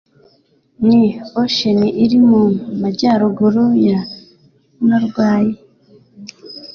Ni Ocean iri mu majyaruguru ya Norway?